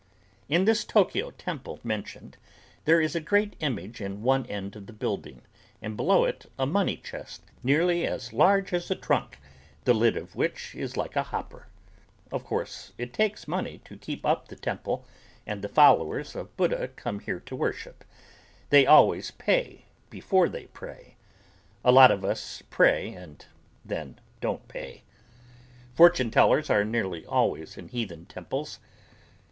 In this Tokyo temple mentioned there is a great image in one end of the building and below it a money chest nearly as large as a trunk the lid of which is like a hopper. Of course it takes money to keep up the temple and the followers of Buddha come here to worship. They always pay before they pray. A lot of us pray and then don't pay. Fortune tellers are nearly always in heathen temples.